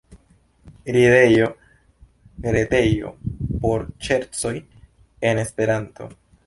Ridejo, retejo por ŝercoj en Esperanto.